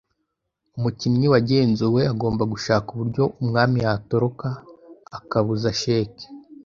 Umukinnyi wagenzuwe agomba gushaka uburyo umwami yatoroka akabuza cheque.